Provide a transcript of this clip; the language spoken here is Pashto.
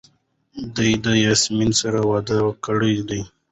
ده د یاسمین سره واده کړی دی.